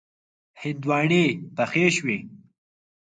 هندواڼی پخې شوې.